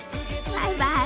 バイバイ。